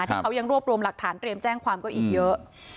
ที่เขายังรวบรวมหลักฐานเตรียมแจ้งความก็อีกเยอะ